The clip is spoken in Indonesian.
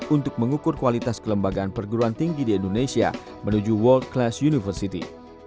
untuk mengukur kualitas kelembagaan perguruan tinggi di indonesia menuju world class university